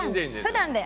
普段で。